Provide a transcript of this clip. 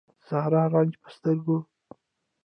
د سحر رانجه په سترګو